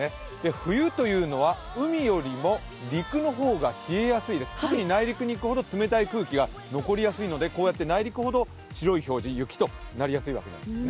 冬というのは海よりも陸の方が冷えやすいです、特に内陸にいくほど、冷たい空気が残りやすいのでこうやって内陸ほど白い表示、雪となりやすいんですね。